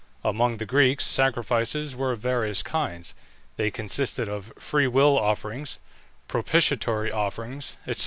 Among the Greeks, sacrifices were of various kinds. They consisted of free will offerings, propitiatory offerings, &c.